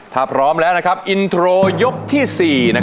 ถ้าพร้อมแล้วนะครับอินโทรยกที่๔